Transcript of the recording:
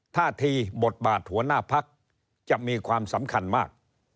ท่าทีบทบาทหัวหน้าพักจะมีความสำคัญมาก